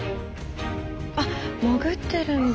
あっ潜ってるんだ。